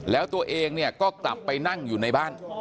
แล้วตัวเองเนี่ยก็กลับไปนั่งอยู่ในบ้าน